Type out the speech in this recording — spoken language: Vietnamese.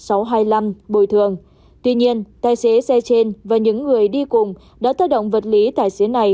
bốn mươi ba a sáu trăm hai mươi năm bồi thường tuy nhiên tài xế xe trên và những người đi cùng đã tác động vật lý tài xế này